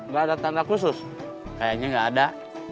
gak ada tanda khusus kayaknya gak ada